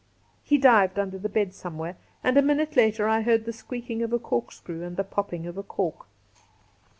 He dived under the bed somewhere, and a minute later I heard the squeaking of a corkscrew and the popping of a cork.